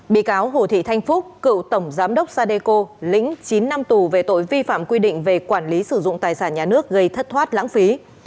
bị cáo hồ thị thanh phúc cựu tổng giám đốc sadeco lĩnh chín năm tù về tội vi phạm quy định về quản lý sử dụng tài sản nhà nước gây thất thoát lãng phí